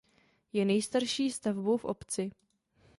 Je nejstarší stavbou v obci.